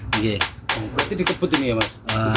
berarti beduk ini dikebut ya mas